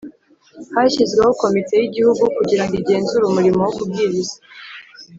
Hashyizweho Komite Y Igihugu Kugira Ngo Igenzure Umurimo Wo Kubwiriza